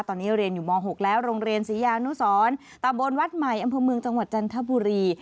ตอนนี้เรียนอยู่ม๖แล้วโรงเรียนศรียานุสรตะบนวัดใหม่อำเภอเมืองจังหวัดจันทบุรี